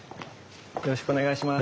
よろしくお願いします。